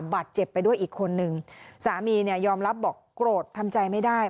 บาดเจ็บไปด้วยอีกคนนึงสามีเนี่ยยอมรับบอกโกรธทำใจไม่ได้